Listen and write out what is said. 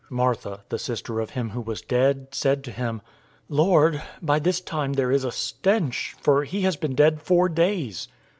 Martha, the sister of him who was dead, said to him, "Lord, by this time there is a stench, for he has been dead four days."